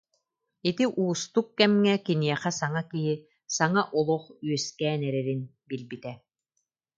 Ити уустук кэмҥэ киниэхэ саҥа киһи, саҥа олох үөскээн эрэрин билбитэ